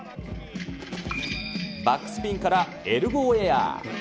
バックスピンからエルボーエアー。